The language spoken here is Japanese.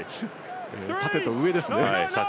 縦と上ですね。